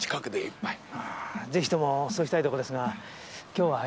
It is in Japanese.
ぜひともそうしたいとこですが今日はあいにく。